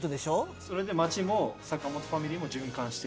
それで町も坂本ファミリーも循環してる。